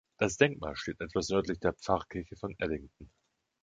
Das Denkmal steht etwas nördlich der Pfarrkirche von Addington.